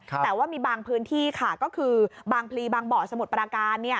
แต่ว่ามีบางพื้นที่ค่ะก็คือบางพลีบางบ่อสมุทรปราการ